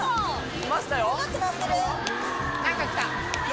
来ましたよ。